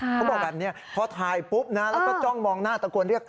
เขาบอกแบบนี้พอถ่ายปุ๊บนะแล้วก็จ้องมองหน้าตะโกนเรียก